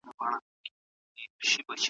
استاد له کلونو راهیسې څېړني کوي.